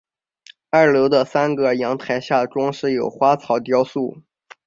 二楼的三个阳台下装饰有花草雕塑。